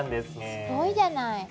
すごいじゃない！